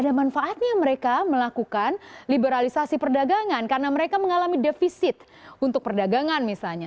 ada manfaatnya mereka melakukan liberalisasi perdagangan karena mereka mengalami defisit untuk perdagangan misalnya